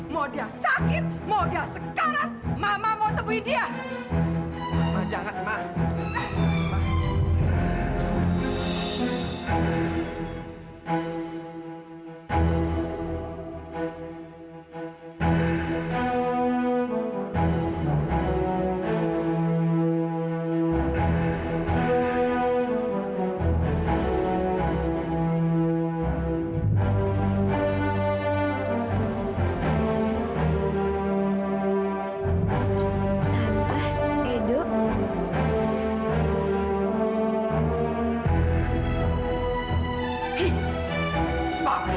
mau dia sakit mau dia sakit